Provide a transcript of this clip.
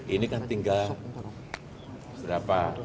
ini kan tinggal berapa